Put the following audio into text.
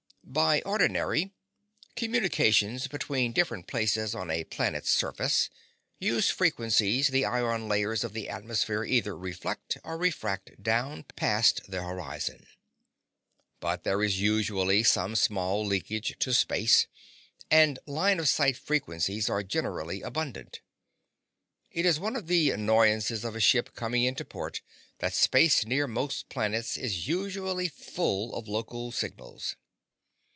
By ordinary, communications between different places on a planet's surface use frequencies the ion layers of the atmosphere either reflect or refract down past the horizon. But there is usually some small leakage to space, and line of sight frequencies are generally abundant. It is one of the annoyances of a ship coming in to port that space near most planets is usually full of local signals.